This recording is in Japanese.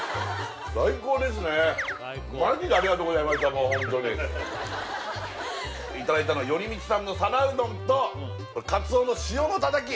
もうホントにいただいたのはより道さんの皿うどんとカツオの塩のたたき